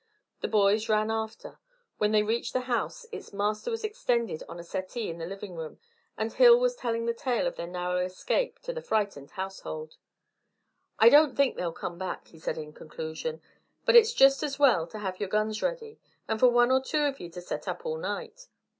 The boys ran after. When they reached the house its master was extended on a settee in the living room, and Hill was telling the tale of their narrow escape to the frightened household. "I don't think they'll come back," he said in conclusion. "But it's jest as well to have your guns ready, and for one or two of ye to set up all night.